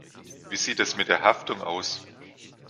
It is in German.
Wie sieht es mit der Haftung aus?